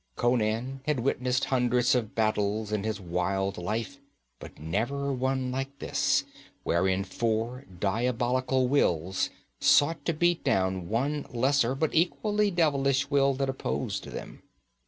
Conan had witnessed hundreds of battles in his wild life, but never one like this, wherein four diabolical wills sought to beat down one lesser but equally devilish will that opposed them.